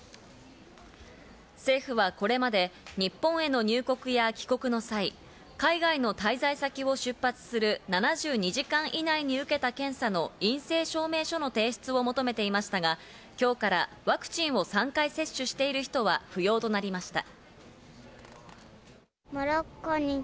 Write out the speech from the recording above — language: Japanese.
政府はこれまで日本への入国や帰国の際、海外の滞在先を出発する７２時間以内に受けた検査の陰性証明の提出を求めていましたが、今日からワクチンを３回接種している人は不要となりました。